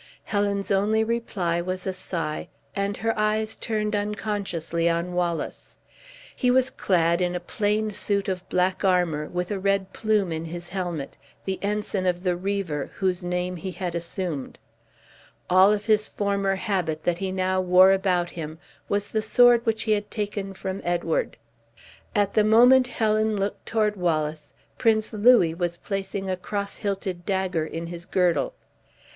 Helen's only reply was a sigh, and her eyes turned unconsciously on Wallace. He was clad in a plain suit of black armor, with a red plume in his helmet the ensign of the Reaver, whose name he had assumed. All of his former habit that he now wore about him, was the sword which he had taken from Edward. At the moment Helen looked toward Wallace, Prince Louis was placing a cross hilted dagger in his girdle.